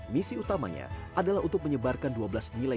misi utamanya adalah untuk menyebarkan dua belas nilai